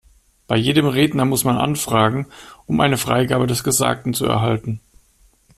Bei jedem Redner muss man anfragen, um eine Freigabe des Gesagten zu erhalten.